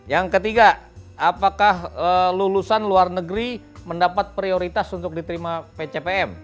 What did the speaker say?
yang ketiga apakah lulusan luar negeri mendapat prioritas untuk diterima pcpm